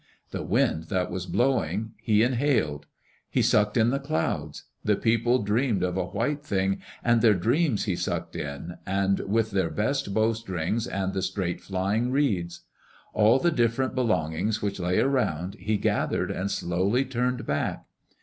The wind that was blowing he inhaled. He sucked in the clouds. The people dreamed of a white thing, and their dreams he sucked in, with their best bow strings and the straight flying reeds. All the different belongings which lay around he gathered and slowly turned back.